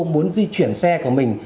muốn di chuyển xe của mình